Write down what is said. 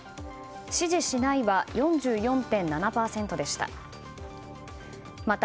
支持しないは４４．７％でした。